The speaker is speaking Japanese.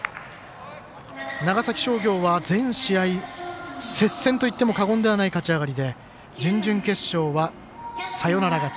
長崎商業は全試合接戦といっても過言ではない勝ち上がりで準々決勝はサヨナラ勝ち。